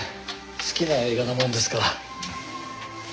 好きな映画なものですから。